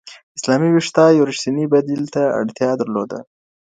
اسلامي ویښتیا یو رښتیني بديل ته اړتیا درلوده.